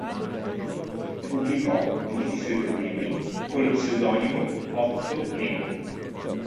Pubblicò molti suoi problemi con lo pseudonimo "Otto Nemo".